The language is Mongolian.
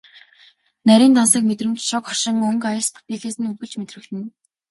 Нарийн тансаг мэдрэмж, шог хошин өнгө аяс бүтээлээс нь үргэлж мэдрэгдэнэ.